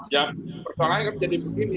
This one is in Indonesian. ya persoalannya kan jadi begini